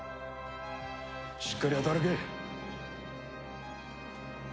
しっかり働け。